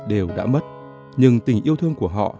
đều đã mất nhưng tình yêu thương của họ